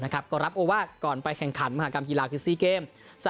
ก็รับโอวาสก่อนไปแข่งขันมหากรรมกีฬาคือ๔เกม